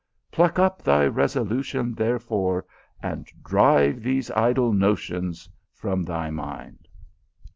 Pluck up thy resolution, therefore, and drive these idle notions from thy mind."